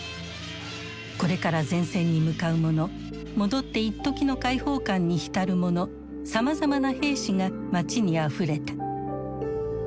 これから前線に向かう者戻っていっときの解放感に浸る者さまざまな兵士が街にあふれた。